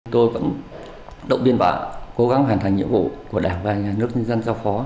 tôi cũng động viên vào cố gắng hoàn thành nhiệm vụ của đảng và nước dân giao phó